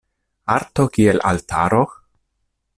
Arto kiel altaro?